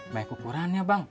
baik ukurannya bang